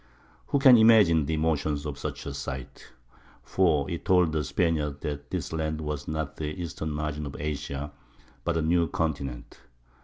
Who can imagine the emotions of such a sight!—for it told the Spaniards that this land was not the eastern margin of Asia, but a new continent.